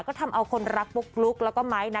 ก็ทำเอาคนรักปุ๊กลุ๊กแล้วก็ไม้นะ